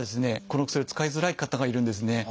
このお薬を使いづらい方がいるんですね。